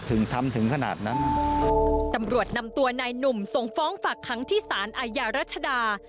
ถึงทำถึงขนาดนั้นตำรวจนำตัวนายหนุ่มส่งฟ้องฝากขังที่สารอาญารัชดา